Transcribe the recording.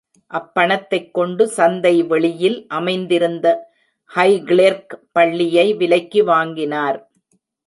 அப்பணத்தைக் கொண்டு சந்தைவெளியில் அமைந்திருந்த ஹைகிளெர்க் பள்ளியை விலைக்கு வாங்கினார்.